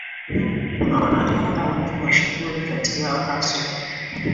kuna wanariadha wengi mashuhuri kati yao haswa